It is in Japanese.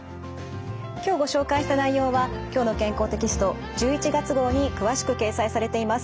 今日ご紹介した内容は「きょうの健康」テキスト１１月号に詳しく掲載されています。